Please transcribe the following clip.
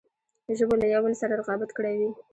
ژبو له یوه بل سره رقابت کړی وي.